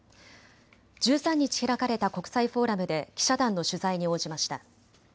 １３日開かれた国際フォーラムで記者団の取材に応じました。